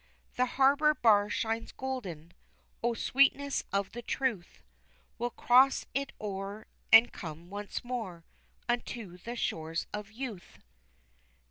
The harbor bar shines golden, O sweetness of the truth, We'll cross it o'er, and come once more Unto the shores of youth.